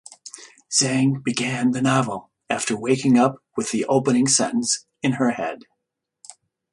Zhang began the novel after waking up with the opening sentence in her head.